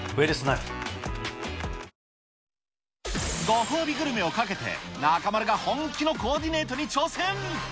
ご褒美グルメをかけて、中丸が本気のコーディネートに挑戦。